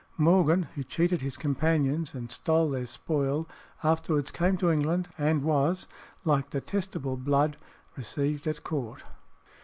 Morgan, who cheated his companions and stole their spoil, afterwards came to England, and was, like detestable Blood, received at court.